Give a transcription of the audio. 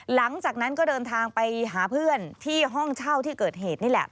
หลังจากนั้นก็เดินทางไปหาเพื่อนที่ห้องเช่าที่เกิดเหตุนี่แหละ